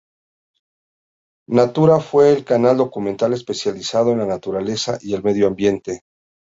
Natura fue el canal documental especializado en la Naturaleza y el medio ambiente.